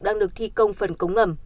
đang được thi công phần cống ngầm